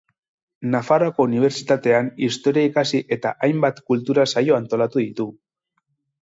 Nafarroako Unibertsitatean Historia ikasi eta hainbat kultura saio antolatu ditu.